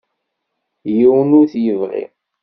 Yiwen ur t-yebɣi.